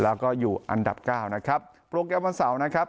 แล้วก็อยู่อันดับเก้านะครับโปรแกรมวันเสาร์นะครับ